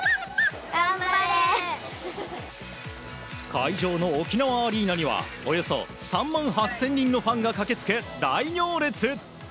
会場の沖縄アリーナにはおよそ３万８０００人のファンが駆け付け、大行列。